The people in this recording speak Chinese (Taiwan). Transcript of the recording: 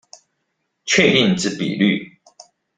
確定之比率